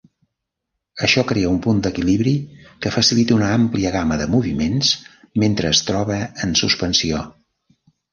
Això crea un punt d'equilibri que facilita una àmplia gamma de moviments mentre es troba en suspensió.